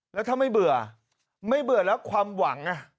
แล้วถ้าไม่เบื่อไม่เบื่อแล้วความหวัง